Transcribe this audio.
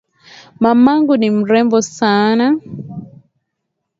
Mamangu ni mrembo sana.